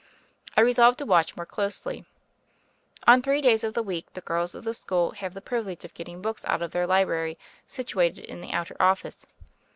I resolved to watch more closely. On three days of the week the girls of the school have the privilege of getting books out of their library, situated in the outer office.